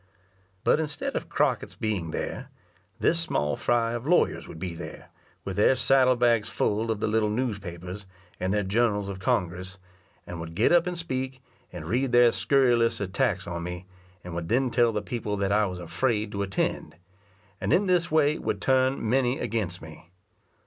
But instead of Crockett's being there, this small fry of lawyers would be there, with their saddle bags full of the little newspapers and their journals of Congress; and would get up and speak, and read their scurrilous attacks on me, and would then tell the people that I was afraid to attend; and in this way would turn many against me.